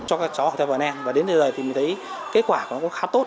cho các cháu học theo vernon và đến thế giới thì mình thấy kết quả của nó cũng khá tốt